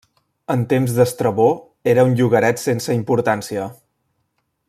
En temps d'Estrabó era un llogaret sense importància.